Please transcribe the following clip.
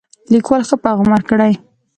لیکوال ښه پیغام ورکړی.